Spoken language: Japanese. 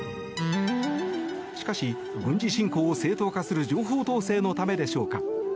しかし、軍事侵攻を正当化する情報統制のためでしょうか。